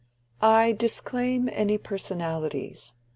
"I disclaim any personalities.